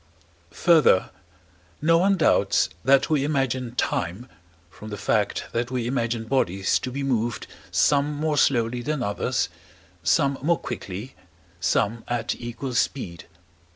Further, no one doubts that we imagine time, from the fact that we imagine bodies to be moved some more slowly than others, some more quickly, some at equal speed.